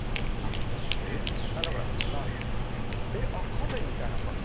カフェみたいな感じ。